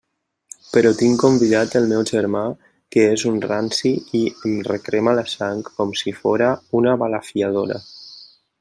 Però tinc convidat el meu germà que és un ranci i em recrema la sang com si fóra una balafiadora.